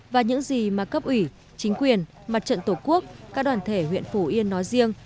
và những gì mà cấp ủy chính quyền mặt trận tổ quốc các đoàn thể huyện phủ yên nói riêng